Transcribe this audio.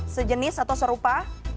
sejenis atau serupa